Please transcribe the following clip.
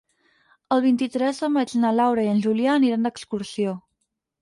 El vint-i-tres de maig na Laura i en Julià aniran d'excursió.